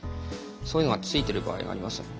そういうのがついてる場合がありますので。